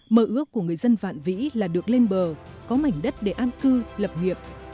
mơ ước của người dân vạn vĩ là được lên bờ có mảnh đất để an cư lập nghiệp